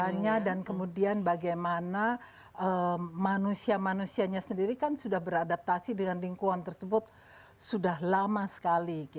nah dan kemudian bagaimana manusia manusianya sendiri kan sudah beradaptasi dengan lingkungan tersebut sudah lama sekali